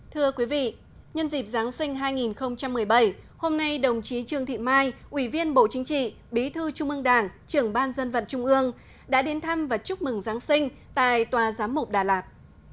thưa quý vị nhân dịp giáng sinh hai nghìn một mươi bảy hôm nay đồng chí trương thị mai ủy viên bộ chính trị bí thư trung ương đảng trưởng ban dân vận trung ương đã đến thăm và chúc mừng giáng sinh tại tòa giám mục đà lạt